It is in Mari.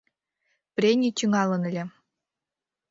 Прений тӱҥалын ыле.